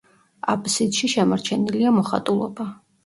აბსიდში შემორჩენილია მოხატულობა.